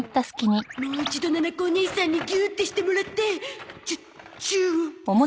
もう一度ななこおねいさんにギューってしてもらってチュチューを！